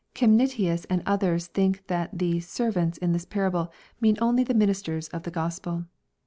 '] Chemnitius and others think that the " ser vanta" in this parable mean only the ministers of the Gospel.